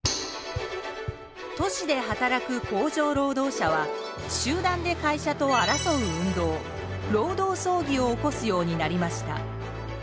都市で働く工場労働者は集団で会社と争う運動労働争議を起こすようになりました。